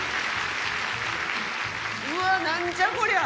うわあなんじゃ？